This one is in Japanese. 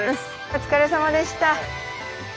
お疲れさまでした。